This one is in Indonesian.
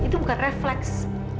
itu bukan refleks